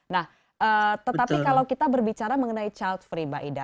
nah tetapi kalau kita berbicara mengenai child free mbak ida